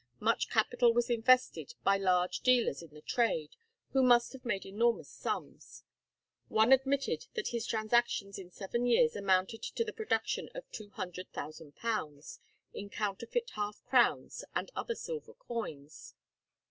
Much capital was invested by large dealers in the trade, who must have made enormous sums. One admitted that his transactions in seven years amounted to the production of £200,000 in counterfeit half crowns and other silver coins.